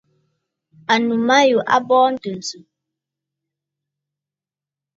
Ànnù ma yû a bɔɔ ntɨ̀nsə̀.